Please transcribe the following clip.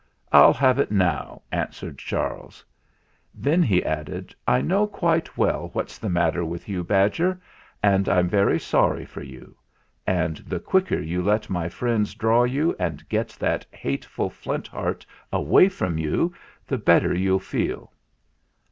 "I'll have it now," answered Charles. Then he added: "I know quite well what's THE SENTENCE 303 the matter with you, badger, and I'm very sorry for you. And the quicker you let my friends draw you and get that hateful Flint Heart away from you, the better you'll feel."